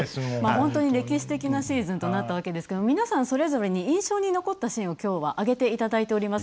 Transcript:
本当に歴史的なシーズンとなったわけですけど皆さんそれぞれに印象に残ったシーンをきょうは挙げていただいております。